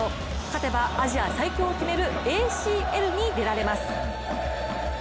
勝てばアジア最強を決めるＡＣＬに出られます。